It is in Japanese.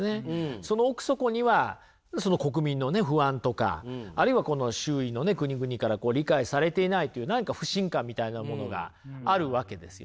その奥底には国民のね不安とかあるいは周囲の国々から理解されていないという何か不信感みたいなものがあるわけですよね。